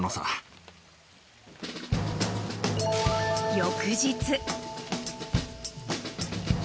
［翌日］